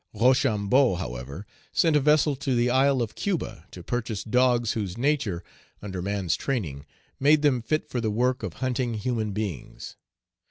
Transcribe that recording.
Rochambeau, however, sent a vessel to the isle of Cuba to purchase dogs whose nature, under man's training, made them fit for the work of hunting human beings.